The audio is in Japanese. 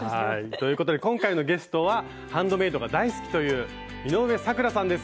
ということで今回のゲストはハンドメイドが大好きという井上咲楽さんです。